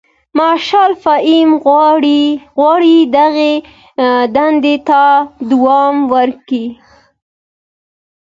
مارشال صاحب غواړي دغې دندې ته دوام ورکړي.